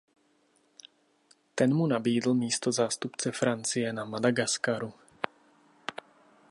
Ten mu nabídl místo zástupce Francie na Madagaskaru.